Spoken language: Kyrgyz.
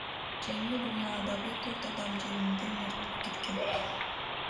Жеңил унаадагы төрт адам жеринде мерт кеткен.